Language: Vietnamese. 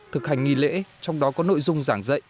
thực hành nghi lễ trong đó có nội dung giảng dạy